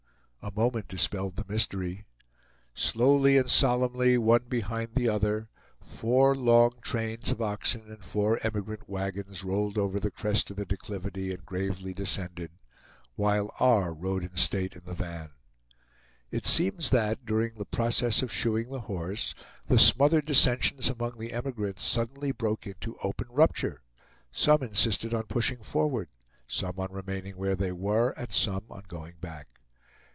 A moment dispelled the mystery. Slowly and solemnly one behind the other, four long trains of oxen and four emigrant wagons rolled over the crest of the declivity and gravely descended, while R. rode in state in the van. It seems that, during the process of shoeing the horse, the smothered dissensions among the emigrants suddenly broke into open rupture. Some insisted on pushing forward, some on remaining where they were, and some on going back.